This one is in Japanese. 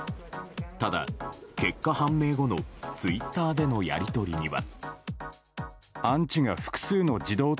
ただ、結果判明後のツイッターでのやり取りには。